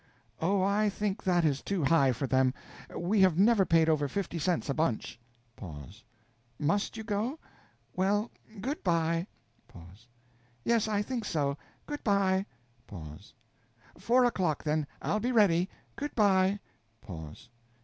Oh, I think that is too high for them; we have never paid over fifty cents a bunch. Pause. _Must _you go? Well, good by. Pause. Yes, I think so. good by. Pause. Four o'clock, then I'll be ready. good by. Pause.